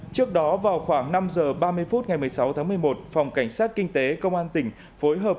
trước đó vào khoảng năm h ba mươi phút ngày một mươi sáu tháng một mươi một phòng cảnh sát kinh tế công an tỉnh phối hợp